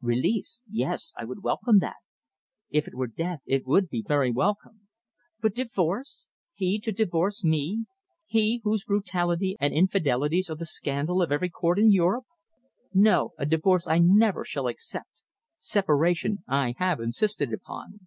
"Release! Yes, I would welcome that! If it were death it would be very welcome! But divorce he to divorce me, he, whose brutality and infidelities are the scandal of every Court in Europe! No! A divorce I never shall accept. Separation I have insisted upon."